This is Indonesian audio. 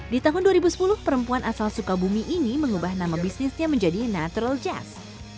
di tahun dua ribu sepuluh perempuan asal sukabumi ini mengubah nama bisnisnya menjadi natural jazz